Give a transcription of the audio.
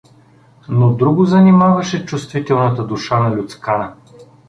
Но друго занимаваше чувствителната душа на Люцкана.